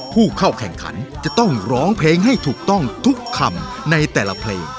ผู้เข้าแข่งขันจะต้องร้องเพลงให้ถูกต้องทุกคำในแต่ละเพลง